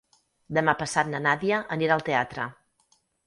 Demà passat na Nàdia anirà al teatre.